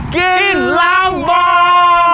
กินล้างบ่อ